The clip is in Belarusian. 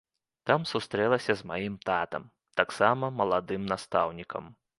Там сустрэлася з маім татам, таксама маладым настаўнікам.